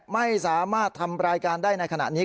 ไม่สามารถทำรายการได้ในขณะนี้